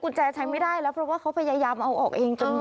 คุณแจใช้ไม่ได้แล้วเพราะว่าเขาพยายามเอาออกเองจน